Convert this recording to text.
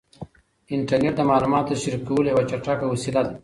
انټرنیټ د معلوماتو د شریکولو یوه چټکه وسیله ده.